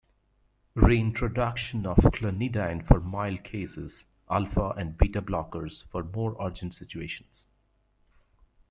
Reintroduction of clonidine for mild cases, alpha and beta blockers for more urgent situations.